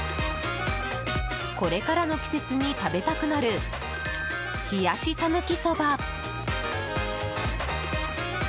これからの季節に食べたくなる冷やしたぬきそば。